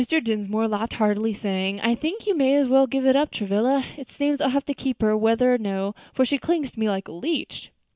Dinsmore laughed heartily, saying, "I think you may as well give it up, Travilla; it seems I'll have to keep her whether or no, for she clings to me like a leech."